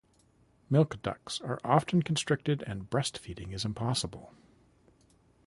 Milk ducts are often constricted and breast feeding is impossible.